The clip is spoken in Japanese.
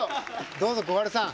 どうぞ小春さん。